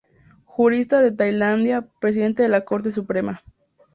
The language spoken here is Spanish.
Jurista de Tailandia, Presidente de la Corte Suprema.